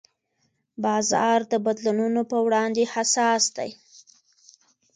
بازار د بدلونونو په وړاندې حساس دی.